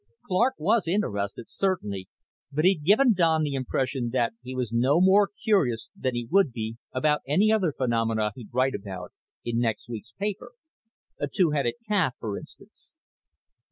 Clark was interested, certainly, but he'd given Don the impression that he was no more curious than he would be about any other phenomenon he'd write about in next week's paper a two headed calf, for instance.